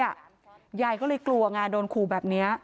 ยายก็เลยกลัวไงโดนขู่แบบนี้